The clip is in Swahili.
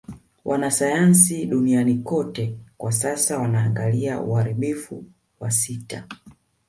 Wanasayansi duniani kote kwa sasa wanaangalia uharibifu wa sita